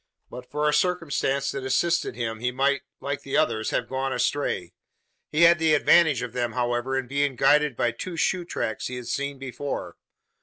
But for a circumstance that assisted him, he might, like the others, have gone astray. He had the advantage of them, however, in being guided by two shoe tracks he had seen before.